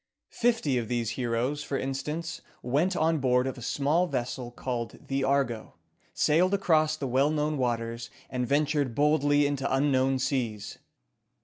Fifty of these heroes, for instance, went on board of a small vessel called the "Argo," sailed across the well known waters, and ventured boldly into unknown seas.